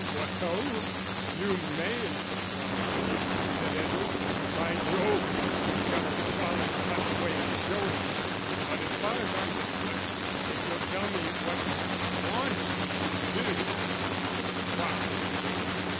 "Well, you may love me," said Edward, "but, by Jove, you've got a jolly funny way of showing it.... But as far as I'm concerned, if you'll tell me what you want me to do, I'll try and do it."